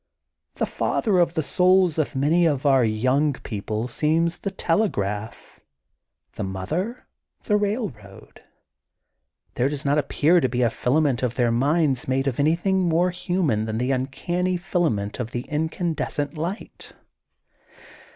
The father of the souls of many of our young 154 THE GOLDEN BOOK OF SPRINGFIELD 155 people seems the telegraph, the mother, the railroad. There does not appear to be a fila ment of their minds made of anything more human than the uncanny filament of the in candescent light.